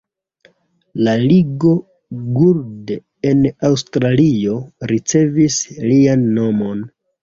La Ligo Gould en Aŭstralio ricevis lian nomon.